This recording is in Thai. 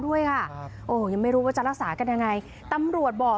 ด้วยค่ะครับโอ้โหยังไม่รู้ว่าจะรักษากันยังไงตำรวจบอก